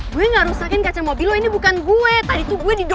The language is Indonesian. gue gak rusakin kaca mobil loh ini bukan gue tadi tuh gue didoro